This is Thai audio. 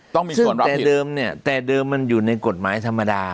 ต้องมีส่วนรับแต่เดิมเนี่ยแต่เดิมมันอยู่ในกฎหมายธรรมดา